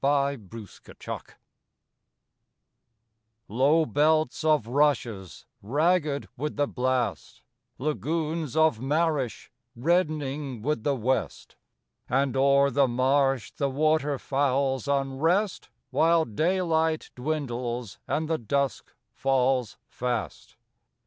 PRÆTERITA I Low belts of rushes ragged with the blast; Lagoons of marish reddening with the west; And o'er the marsh the water fowl's unrest While daylight dwindles and the dusk falls fast.